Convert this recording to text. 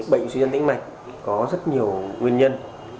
bệnh suy nhân tĩnh mạch có rất nhiều nguyên nhân